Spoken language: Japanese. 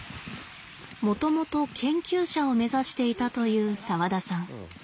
もともと研究者を目指していたという澤田さん。